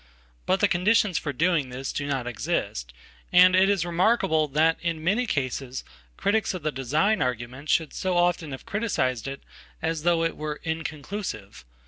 But the conditions for doing this do not exist, andit is remarkable that in many cases critics of the design argumentshould so often have criticized it as though it were inconclusive.